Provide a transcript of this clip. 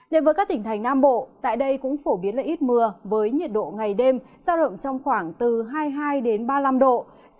đến với các tỉnh thành nam bộ tại đây cũng phổ biến là ít mưa với nhiệt độ ngày đêm giao động trong khoảng từ hai mươi hai ba mươi năm độ